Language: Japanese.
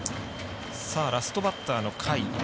ラストバッターの甲斐。